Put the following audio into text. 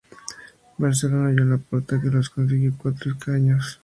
Barcelona, Joan Laporta, que consiguió cuatro escaños.